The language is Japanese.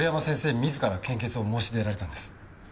自ら献血を申し出られたんです。